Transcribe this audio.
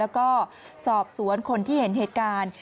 แล้วก็สอบสวนคนที่เห็นเหตุการณ์